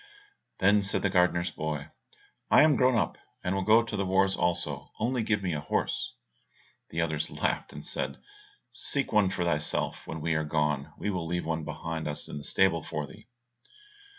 Then said the gardener's boy, "I am grown up, and will go to the wars also, only give me a horse." The others laughed, and said, "Seek one for thyself when we are gone, we will leave one behind us in the stable for thee."